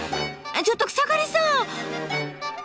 ちょっと草刈さん！